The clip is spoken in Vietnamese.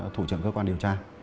thủ trưởng cơ quan điều tra